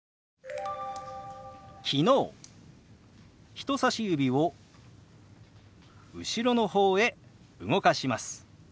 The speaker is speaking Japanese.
人さし指を後ろの方へ動かします。